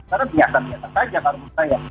kan biasa biasa saja kalau misalnya